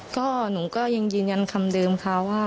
ก็หนูก็ยังยืนยันคำเดิมค่ะว่า